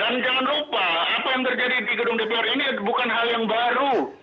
jangan lupa apa yang terjadi di gedung dpr ini bukan hal yang baru